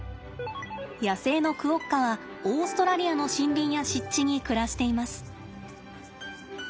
野生のクオッカはオーストラリアの森林や湿地に暮らしています。